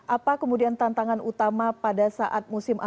apa kemudian tantangan utama pada saat musim ag